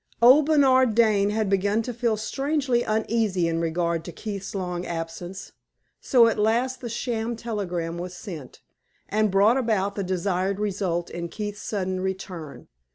Old Bernard Dane had begun to feel strangely uneasy in regard to Keith's long absence; so at last the sham telegram was sent, and brought about the desired result in Keith's sudden return.